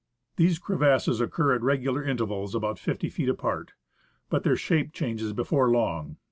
These crevasses occur at regular intervals about 50 feet apart. But their shape changes before long.